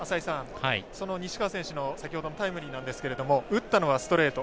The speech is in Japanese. その西川選手の先ほどのタイムリーなんですが打ったのはストレート。